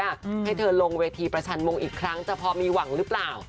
ให้เธอลงเวทีประชันมงอีกครั้งจะพอมีหวังหรือเปล่า